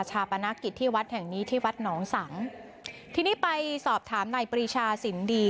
ปนักกิจที่วัดแห่งนี้ที่วัดหนองสังทีนี้ไปสอบถามนายปรีชาสินดี